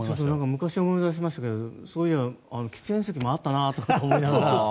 昔を思い出しましたけど喫煙席もあったなと思いながら。